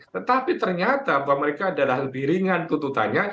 tetapi ternyata bahwa mereka adalah lebih ringan tuntutannya